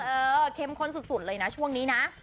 เข้มข้นสุดเลยนะช่วงนี้นะ